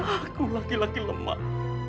aku laki laki lemah